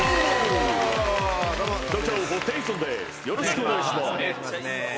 よろしくお願いします。